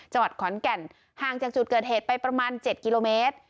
จังหวัดขอนแก่นห่างจากจุดเกิดเหตุไปประมาณ๗กิโลเมตร